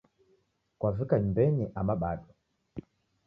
Kwavika nyumbenyi ama bado.